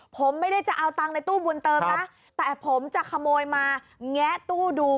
ผมไม่ได้จะเอาตังค์ในตู้บุญเติมนะแต่ผมจะขโมยมาแงะตู้ดู